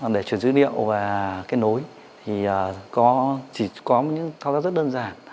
để truyền dữ liệu và kết nối thì chỉ có những thao tác rất đơn giản